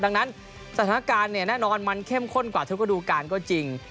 ดังนั้นสถานการณ์เนี่ยแน่นอนมันเข้มข้นกว่าทุกระดูการก็จริง